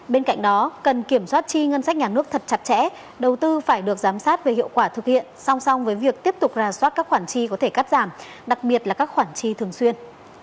bên cạnh đó cần kiểm soát chi ngân sách nhà nước thật chặt chẽ đầu tư phải được giám sát về hiệu quả thực hiện song song với việc tiếp tục rà soát các khoản chi có thể cắt giảm đặc biệt là các khoản chi thường xuyên